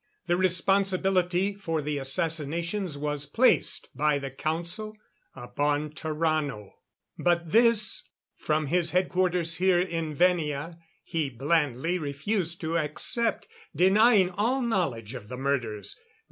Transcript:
The responsibility for the assassinations was placed by the Council upon Tarrano. But this from his headquarters here in Venia he blandly refused to accept, denying all knowledge of the murders.